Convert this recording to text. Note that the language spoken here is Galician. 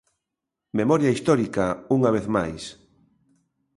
Memoria histórica, unha vez máis.